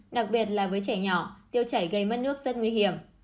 đặc biệt là với trẻ nhỏ tiêu chảy gây mất nước rất nguy hiểm